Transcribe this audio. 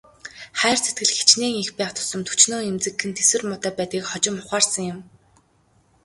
Хайр сэтгэл хэчнээн их байх тусам төчнөөн эмзэгхэн, тэсвэр муутай байдгийг хожим ухаарсан юм.